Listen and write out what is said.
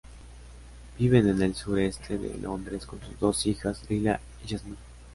Viven en el sur este de Londres con sus dos hijas, Lila y Jasmine.